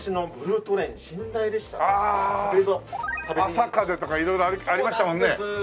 「あさかぜ」とか色々ありましたもんね。